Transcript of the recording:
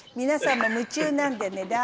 皆さんも夢中なんでね